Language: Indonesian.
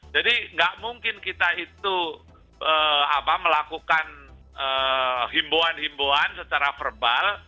jadi gak mungkin kita itu melakukan himboan himboan secara verbal